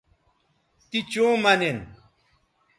تی چوں مہ نن